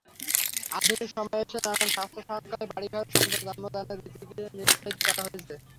আধুনিক সময়ে এসে নানান স্বাস্থ্য-শঙ্কায় বাড়িঘরে সন্তান জন্মদানের রীতিকে নিরুত্সাহিত করা হয়েছে।